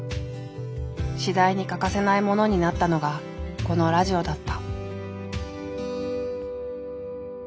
次第に欠かせないものになったのがこのラジオだった。